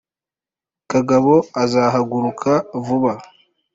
kagabo uzahaguruka vuba